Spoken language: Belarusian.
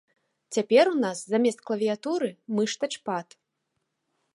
Цяпер у нас замест клавіятуры мыш-тачпад.